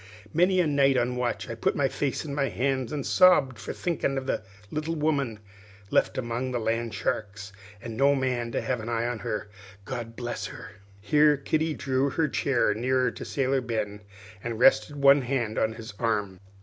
Many a night on watch I put my face in my hands and sobbed for thinkin' of the little woman left among the land sharks, an' no man to have an eye on her, God bless her!" Here Kitty softly drew her chair nearer to Sailor Ben, and rested one hand on his arm.